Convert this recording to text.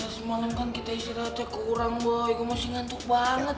res malem kan kita istirahatnya kurang gue masih ngantuk banget